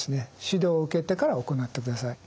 指導を受けてから行ってください。